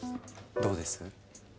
どうです？